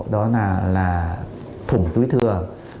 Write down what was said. đó là thủng túi thừa